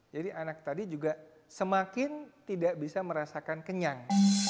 jadi anak tadi juga semakin tidak bisa merasakan kenyang